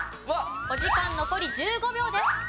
お時間残り１５秒です。